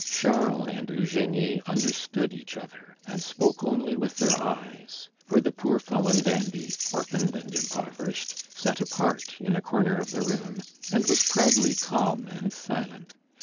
Charles and Eugenie understood each other and spoke only with their eyes; for the poor fallen dandy, orphaned and impoverished, sat apart in a corner of the room, and was proudly calm and silent.